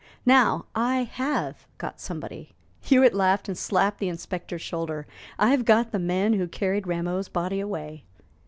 Now, I have got somebody." Hewitt laughed and slapped the inspector's shoulder. "I've got the man who carried Rameau's body away!"